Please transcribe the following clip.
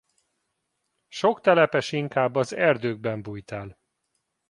Sok telepes inkább az erdőkben bújt el.